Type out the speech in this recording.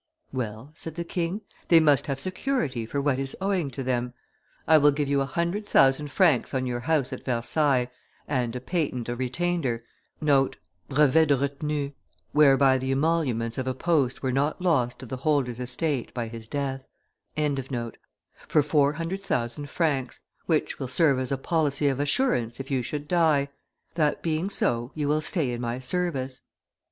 'Well,' said the king, 'they must have security for what is owing to them. I will give you a hundred thousand francs on your house at Versailles, and a patent of retainder (brevet de retenue whereby the emoluments of a post were not lost to the holder's estate by his death) for four hundred thousand francs, which will serve as a policy of assurance if you should die; that being so, you will stay in my service.